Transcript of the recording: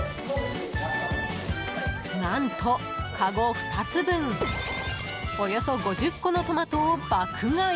何と、かご２つ分およそ５０個のトマトを爆買い！